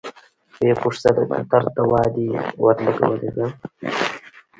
ويې پوښتله د درد دوا دې ورلګولې ده.